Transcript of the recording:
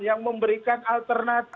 yang memberikan alternatif